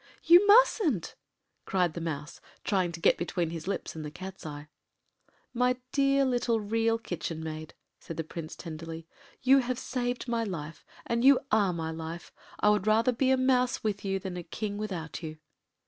” “You mustn’t,” cried the Mouse, trying to get between his lips and the Cat’s eye. “My dear little Real Kitchen Maid,” said the Prince tenderly, “you have saved my life—and you are my life. I would rather be a mouse with you than a king without you!